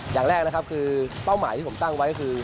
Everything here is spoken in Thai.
อย่างแรกนะครับคือเป้าหมายที่ผมตั้งไว้คือ